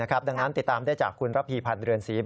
ดังนั้นติดตามได้จากคุณระพีพันธ์เรือนศรี